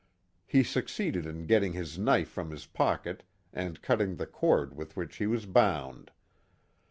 He suc ceeded in getting his knife from his pocket and cutting the cord with which he was bound.